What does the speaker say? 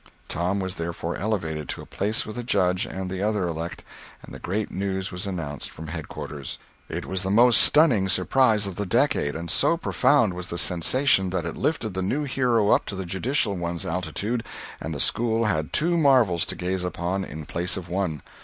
Tom was therefore elevated to a place with the Judge and the other elect, and the great news was announced from headquarters. It was the most stunning surprise of the decade, and so profound was the sensation that it lifted the new hero up to the judicial one's altitude, and the school had two marvels to gaze upon in place of one.